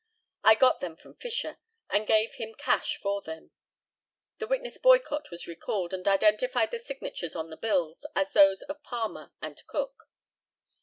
I got them from Fisher, and gave him cash for them. [The witness Boycott was recalled, and identified the signatures on the bills as those of Palmer and Cook.